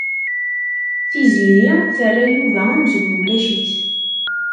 Tiziri terra Yuba amzun ulac-it.